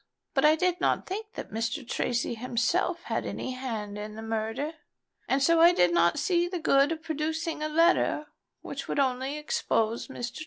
But I did not think that Mr. Tracy himself had any hand in the murder; and so I did not see the good of producing a letter which would only expose Mr. Tracy."